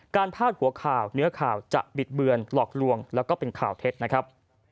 พาดหัวข่าวเนื้อข่าวจะบิดเบือนหลอกลวงแล้วก็เป็นข่าวเท็จนะครับ